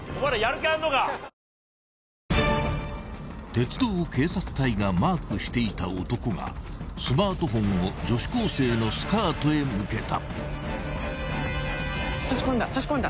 ［鉄道警察隊がマークしていた男がスマートフォンを女子高生のスカートへ向けた］